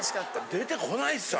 出てこないっすよ